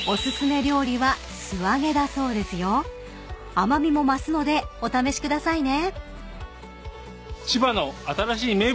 ［甘味も増すのでお試しくださいね］